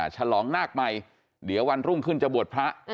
ฉลองนาคใหม่เดี๋ยววันรุ่งขึ้นจะบวชพระ